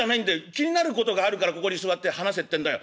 気になることがあるからここに座って話せってんだよ。